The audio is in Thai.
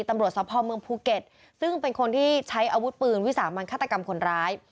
ตำรวจสภเมืองภูเก็ตซึ่งเป็นคนที่ใช้อาวุธปืนวิสามันฆาตกรรมคนร้าย